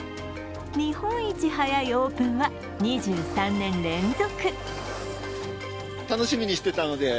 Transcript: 日本一早いオープンは２３年連続。